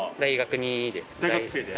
大学生で。